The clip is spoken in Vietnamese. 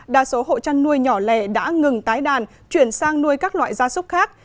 đa số hộ chăn nuôi nhỏ lẻ đã ngừng tái đàn chuyển sang nuôi các loại gia súc khác